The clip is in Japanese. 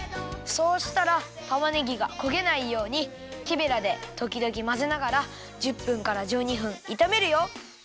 そうしたらたまねぎがこげないようにきベラでときどきまぜながら１０分から１２分いためるよ。